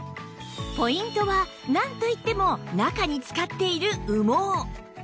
ポイントはなんといっても中に使っている羽毛